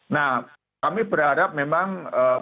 nah kami berharap memang